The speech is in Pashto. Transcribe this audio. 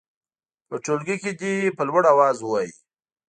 په ټولګي کې دې په لوړ اواز ووايي.